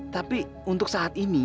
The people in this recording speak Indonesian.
tapi untuk saat ini